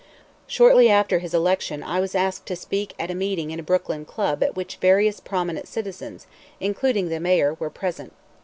Shortly after his election I was asked to speak at a meeting in a Brooklyn club at which various prominent citizens, including the Mayor, were present.